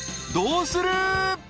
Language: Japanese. ［どうする？］